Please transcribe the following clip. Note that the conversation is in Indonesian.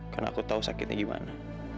karena aku tahu sakitnya gimana